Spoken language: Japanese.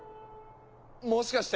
もしかして。